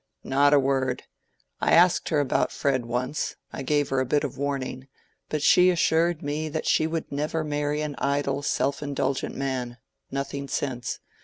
"Not a word. I asked her about Fred once; I gave her a bit of a warning. But she assured me she would never marry an idle self indulgent man—nothing since.